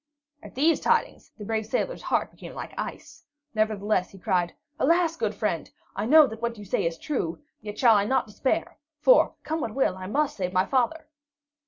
At these tidings the brave sailor's heart became like ice; nevertheless, he cried: "Alas, good friend, I know that what you say is true, yet shall I not despair; for, come what will, I must save my father!"